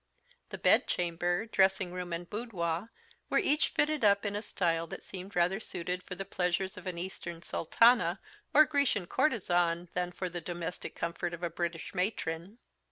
The bedchamber, dressing room, and boudoir were each fitted up in a style that seemed rather suited for the pleasures of an Eastern sultana or Grecian courtesan than for the domestic comfort of a British matron.